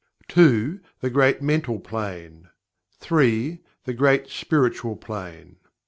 2. The Great Mental Plane. 3. The Great Spiritual Plane.